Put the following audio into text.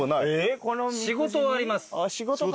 仕事はあります。